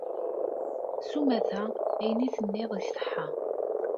S umata, ayen ay d-tenniḍ iṣeḥḥa.